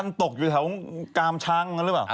มันตกอยู่แถวกามช้างนั้นหรือเปล่า